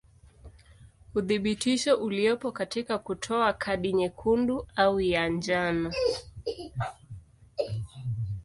Uthibitisho uliopo katika kutoa kadi nyekundu au ya njano.